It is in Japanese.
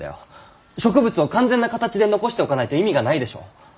植物を完全な形で残しておかないと意味がないでしょ？